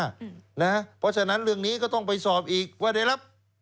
เพราะฉะนั้นเรื่องนี้ก็ต้องไปสอบอีกว่าได้รับ